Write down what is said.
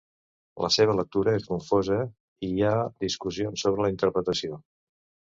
La seva lectura és confosa i hi ha discussions sobre la interpretació.